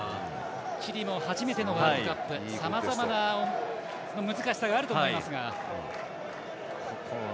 チリも初めてのワールドカップさまざまな難しさがあると思いますが。